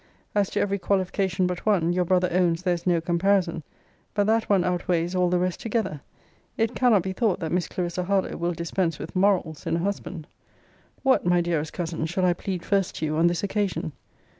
As to every qualification but one, your brother owns there is no comparison. But that one outweighs all the rest together. It cannot be thought that Miss Clarissa Harlowe will dispense with MORALS in a husband. What, my dearest cousin, shall I plead first to you on this occasion?